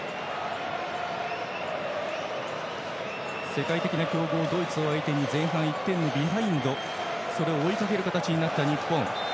世界的な強豪ドイツ相手に前半１点のビハインドそれを追いかける形になった日本。